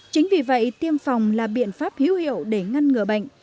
chính vì vậy tiêm phòng là biện pháp hữu hiệu để ngăn ngừa bệnh